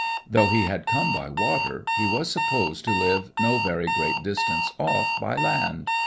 Though he had come by water, he was supposed to live no very great distance off by land.